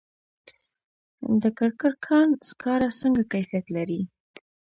د کرکر کان سکاره څنګه کیفیت لري؟